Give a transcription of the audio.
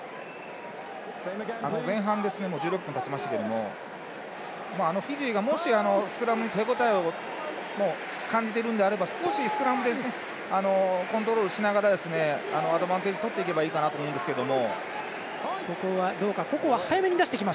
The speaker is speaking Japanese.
前半、１６分たちましたがフィジーがもしスクラムに手応えを感じているんであれば、少しスクラムでコントロールしながらアドバンテージをとっていけばいいかなと思うんですけど。